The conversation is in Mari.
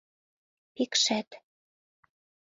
Пикшет...